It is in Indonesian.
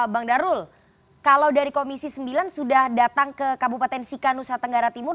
bang darul kalau dari komisi sembilan sudah datang ke kabupaten sika nusa tenggara timur